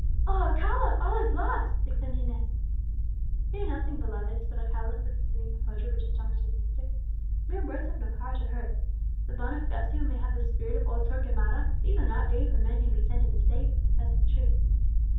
"O Alcala! all is lost!" exclaimed Inez. "Fear nothing, beloved," said Alcala, with a serene composure which astonished his sister, "mere words have no power to hurt. Though Bonifacio may have the spirit of old Torquemada, these are not days when men can be sent to the stake for confessing the truth."